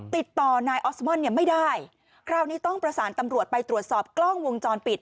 ติดต่อนายออสมอนเนี่ยไม่ได้คราวนี้ต้องประสานตำรวจไปตรวจสอบกล้องวงจรปิด